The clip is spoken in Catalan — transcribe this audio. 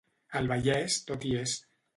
Al Vallès tot hi és.